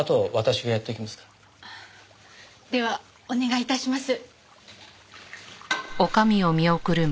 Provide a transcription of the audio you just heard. ではお願い致します。